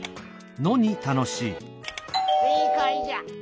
「せいかいじゃ」。